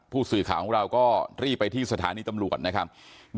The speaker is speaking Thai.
ผู้สื่อข่าวของเราก็รีบไปที่สถานีตำรวจนะครับ